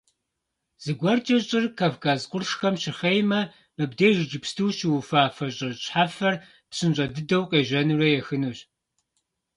Зыгуэркӏэ щӏыр Кавказ къуршхэм щыхъеймэ, мыбдеж иджыпсту щыуфафэ щӏы щхьэфэр псынщӏэ дыдэу къежьэнурэ ехынущ.